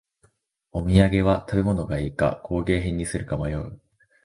お土産は食べ物がいいか工芸品にするか迷う